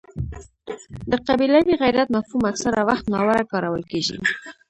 د قبیلوي غیرت مفهوم اکثره وخت ناوړه کارول کېږي.